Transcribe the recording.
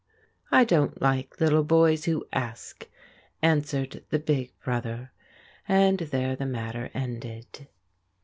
"I don't like little boys who ask," answered the big brother, and there the matter ended.